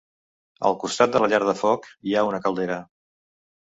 Al costat de la llar de foc hi ha una caldera.